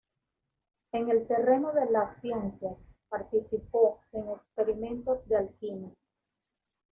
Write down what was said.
En el terreno de las ciencias, participó en experimentos de alquimia.